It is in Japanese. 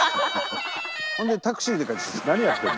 それでタクシーで帰ってきた。